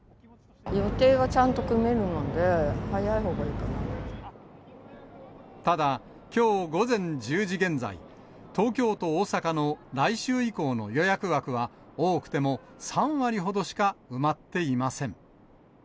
予定がちゃんと組めるので、ただ、きょう午前１０時現在、東京と大阪の来週以降の予約枠は、多くても３割ほどしか埋まっていません。